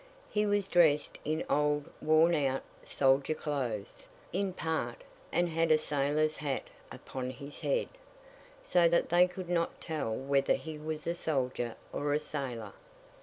He was dressed in old, worn out, soldier clothes, in part, and had a sailor's hat upon his head, so that they could not tell whether he was a soldier or a sailor.